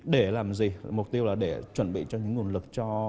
để làm gì mục tiêu là để chuẩn bị cho những nguồn lực cho